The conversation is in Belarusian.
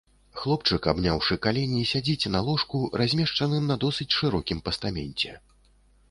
Хлопчык, абняўшы калені, сядзіць на ложку, размешчаным на досыць шырокім пастаменце.